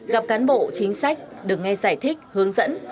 gặp cán bộ chính sách được nghe giải thích hướng dẫn